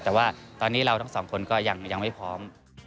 แต่ว่าตอนนี้เราทั้งสองคนก็ยังไม่พร้อม